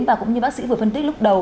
và cũng như bác sĩ vừa phân tích lúc đầu